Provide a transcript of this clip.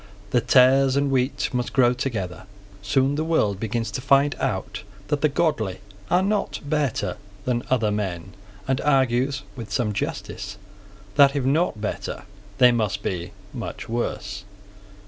The tares and wheat must grow together. Soon the world begins to find out that the godly are not better than other men, and argues, with some justice, that, if not better, they must be much worse.